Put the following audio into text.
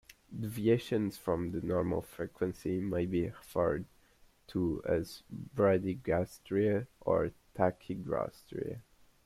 Deviations from the normal frequency may be referred to as bradygastria or tachygastria.